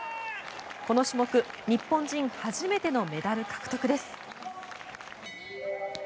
この種目、日本人初めてのメダル獲得です。